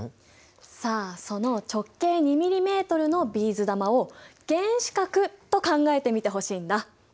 さあその直径２ｍｍのビーズ玉を原子核と考えてみてほしいんだ。